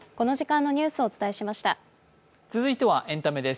続いてはエンタメです。